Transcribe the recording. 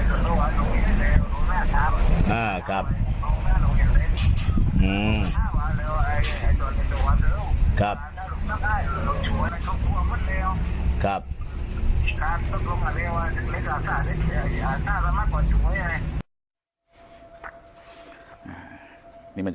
นี้มันจะพาดพิงไปถึงหมอทางศาสตร์ทางด้านพิมพ์